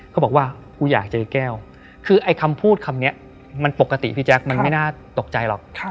บอกว่ากูอยากเจอแก้วคือไอ้คำพูดคำนี้มันปกติพี่แจ๊คมันไม่น่าตกใจหรอก